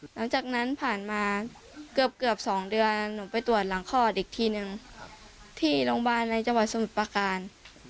หลังจากนั้นผ่านมาเกือบ๒เดือนหนูไปตรวจหลังคลอดอีกทีนึงที่โรงพยาบาลในจังหวัดสมุทรประการ